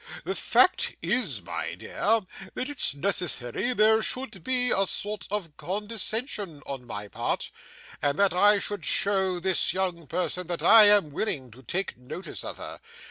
The fact is, my dear, that it's necessary there should be a sort of condescension on my part, and that I should show this young person that I am willing to take notice of her.